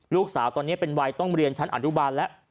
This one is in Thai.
ลูกสาวตอนนี้เป็นวัยต้องเรียนชั้นอนุบาลแล้ว